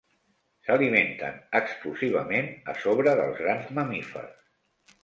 S'alimenten exclusivament a sobre dels grans mamífers.